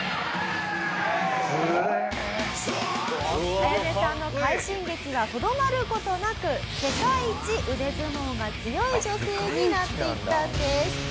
アヤネさんの快進撃がとどまる事なく世界一腕相撲が強い女性になっていったんです。